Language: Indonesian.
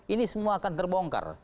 ini semua akan terbongkar